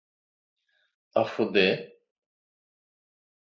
Afudê